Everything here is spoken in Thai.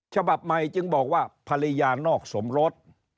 ฉบับใหม่จึงบอกว่าภรรยานอกสมรส